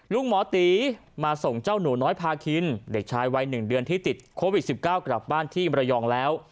หมอตีมาส่งเจ้าหนูน้อยพาคินเด็กชายวัย๑เดือนที่ติดโควิด๑๙กลับบ้านที่มรยองแล้ว